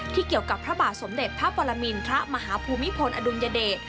เกี่ยวกับพระบาทสมเด็จพระปรมินทรมาฮภูมิพลอดุลยเดช